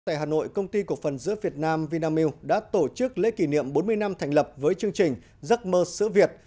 tại hà nội công ty cổ phần giữa việt nam vinamilk đã tổ chức lễ kỷ niệm bốn mươi năm thành lập với chương trình giấc mơ sữa việt